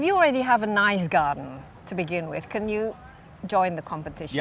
jika anda sudah memiliki hutan yang bagus bisakah anda menyertai pertandingan